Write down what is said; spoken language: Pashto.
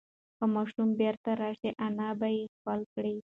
که ماشوم بیرته راشي، انا به یې ښکل کړي.